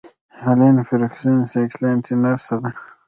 هیلن فرګوسن سکاټلنډۍ نرسه ده.